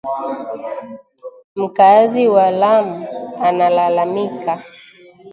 Mkaazi wa lamu alalamika